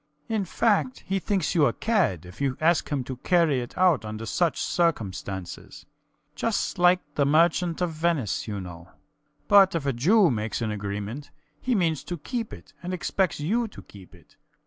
In fact, he thinks you a cad if you ask him to carry it out under such circumstances. Just like the Merchant of Venice, you know. But if a Jew makes an agreement, he means to keep it and expects you to keep it.